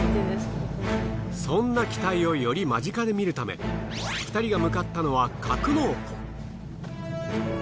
そんな機体をより間近で見るため２人が向かったのは格納庫。